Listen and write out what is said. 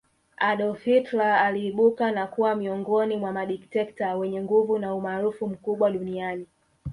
Adolf Hitler aliibuka na kuwa miongoni mwa madikteta wenye nguvu na umaarufu mkubwa duniani